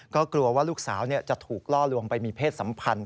ก็กลัวว่าลูกสาวจะถูกล่อลวงไปมีเพศสัมพันธ์